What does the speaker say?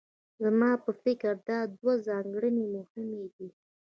زما په فکر دا دوه ځانګړنې مهمې دي.